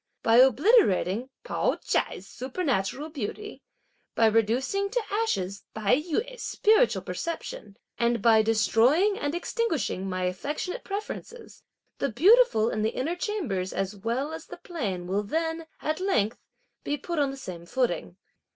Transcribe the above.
By obliterating Pao ch'ai's supernatural beauty, by reducing to ashes Tai yü's spiritual perception, and by destroying and extinguishing my affectionate preferences, the beautiful in the inner chambers as well as the plain will then, at length, be put on the same footing.